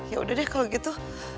yaudah deh kalau gitu